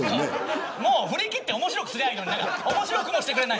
もう振り切って面白くすればいいのに面白くもしてくれない。